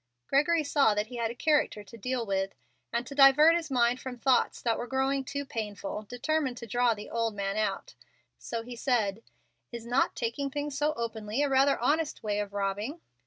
Gregory saw that he had a character to deal with, and, to divert his mind from thoughts that were growing too painful, determined to draw the old man out; so he said, "Is not taking things so openly a rather honest way of robbing?"